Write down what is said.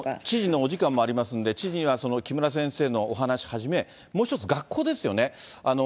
知事のお時間もありますので、知事には木村先生のお話はじめ、もう一つ、学校ですよね。